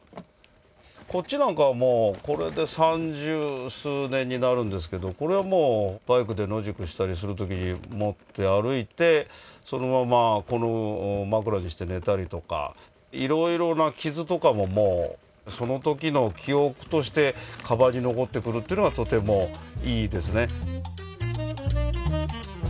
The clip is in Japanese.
こっちなんかはもうこれで三十数年になるんですけどこれはもうバイクで野宿したりする時に持って歩いてそのままこれを枕にして寝たりとかいろいろな傷とかももうその時の記憶として鞄に残ってくるっていうのがとてもいいですね。